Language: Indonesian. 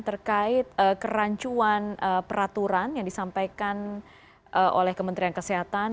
terkait kerancuan peraturan yang disampaikan oleh kementerian kesehatan